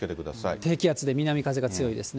低気圧で南風が強いですね。